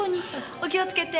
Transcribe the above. お気をつけて！